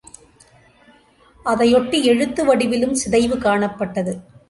அதையொட்டி எழுத்து வடிவிலும் சிதைவு காணப்பட்டது.